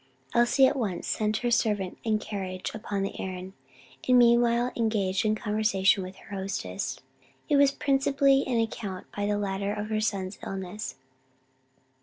Elsie at once sent her servant and carriage upon the errand, and meanwhile engaged in conversation with her hostess. It was principally an account by the latter of her son's illness.